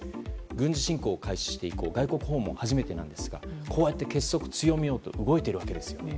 軍事侵攻をして以降外国訪問は初めてなんですがこうやって結束を強めようと動いているわけです。